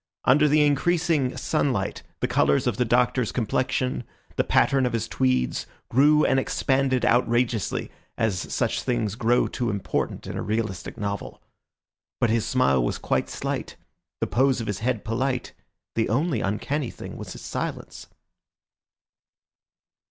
Under the increasing sunlight the colours of the Doctor's complexion, the pattern of his tweeds, grew and expanded outrageously, as such things grow too important in a realistic novel. But his smile was quite slight, the pose of his head polite; the only uncanny thing was his silence.